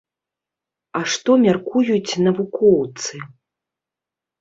А што мяркуюць навукоўцы?